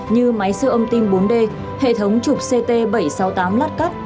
như máy siêu âm tim bốn d hệ thống chụp ct bảy trăm sáu mươi tám lát cắt